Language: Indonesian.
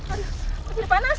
aduh kok jadi panas